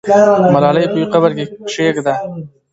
ملالۍ په یوه قبر کې کښېږده.